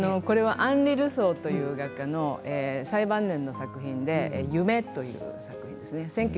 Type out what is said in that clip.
これはアンリ・ルソーという画家の最晩年の作品で「夢」という作品ですね。